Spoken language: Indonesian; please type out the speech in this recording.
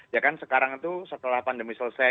ya kan sekarang itu setelah pandemi selesai